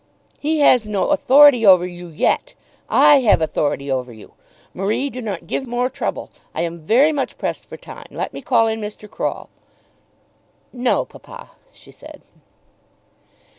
"He has no authority over you yet. I have authority over you. Marie, do not give more trouble. I am very much pressed for time. Let me call in Mr. Croll." "No, papa," she said.